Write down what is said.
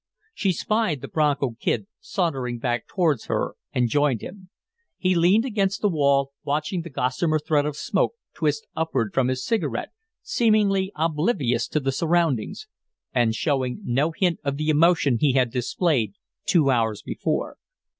She spied the Bronco Kid sauntering back towards her and joined him. He leaned against the wall, watching the gossamer thread of smoke twist upward from his cigarette, seemingly oblivious to the surroundings, and showing no hint of the emotion he had displayed two hours before.